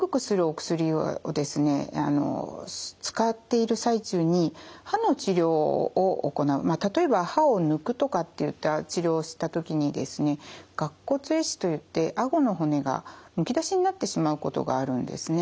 使っている最中に歯の治療を行う例えば歯を抜くとかっていった治療をした時にですね顎骨壊死といってあごの骨がむき出しになってしまうことがあるんですね。